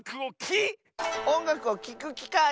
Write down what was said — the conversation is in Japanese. おんがくをきくきかい！